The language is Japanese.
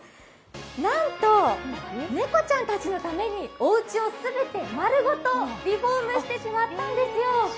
なんと猫ちゃんたのためにおうちを全て丸ごとリフォームしてしまったんですよ。